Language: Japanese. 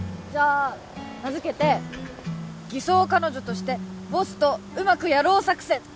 じゃ名づけて「偽装彼女としてボスとうまくやろう作戦」